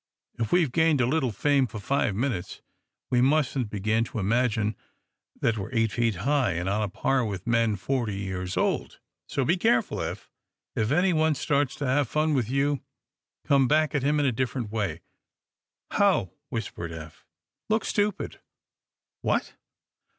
If we've gained a little fame for five minutes, we mustn't begin to imagine that we're eight feet high and on a par with men forty years old. So be careful, Eph. If anyone starts to have any fun with you, come back at him a different way." "How?" whispered Eph. "Look stupid." "What?"